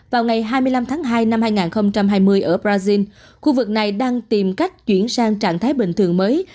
vào ngày hai mươi năm tháng hai năm hai nghìn hai mươi ở brazil khu vực này đang tìm cách chuyển sang trạng thái bình thường mới